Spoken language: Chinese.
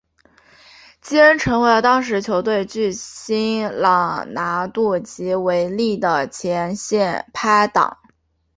基恩成为了当时球队的巨星朗拿度及韦利的前线拍挡。